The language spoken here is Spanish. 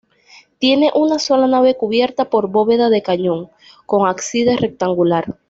Tiene una sola nave cubierta por bóveda de cañón, con ábside rectangular.